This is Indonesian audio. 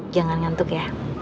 jangan ngantuk ya